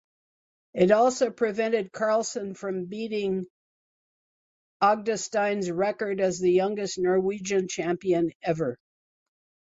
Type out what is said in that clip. It also prevented Carlsen from beating Agdestein's record as the youngest Norwegian champion ever.